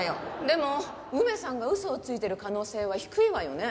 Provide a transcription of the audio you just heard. でも梅さんがウソをついている可能性は低いわよね？